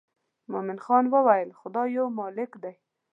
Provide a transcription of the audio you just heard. مومن خان وویل خدای یو مالک دی.